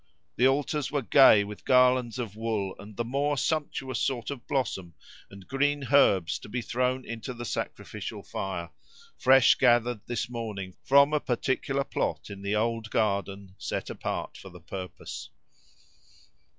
The altars were gay with garlands of wool and the more sumptuous sort of blossom and green herbs to be thrown into the sacrificial fire, fresh gathered this morning from a particular plot in the old garden, set apart for the purpose.